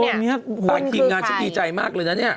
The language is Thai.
นี่น่ากลิ่งงานจริงก็ดีใจมากเลยนะเนี่ย